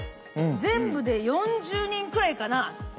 全部で４０人くらいかな。